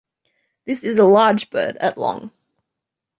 This is a large bird, at long.